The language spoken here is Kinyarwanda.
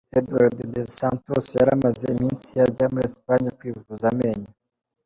Eduardo Dos Santos yari amaze iminsi ajya muri Espagne kwivuza amenyo.